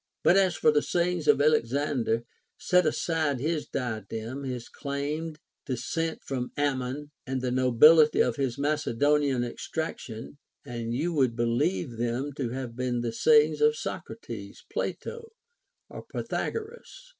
But as for the sayings of Alexander, set aside his diadem, his claimed descent from Amnion, and the nobility of his Macedonian extraction, and you would believe them to have been the sayings of Socrates, Plato, or Pythagoras.